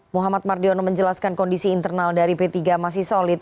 muhammad mardiono menjelaskan kondisi internal dari p tiga masih solid